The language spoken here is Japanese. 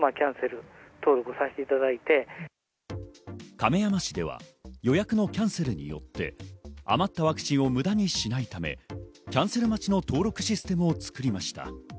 亀山市では予約のキャンセルによって余ったワクチンを無駄にしないため、キャンセル待ちの登録システムを作りました。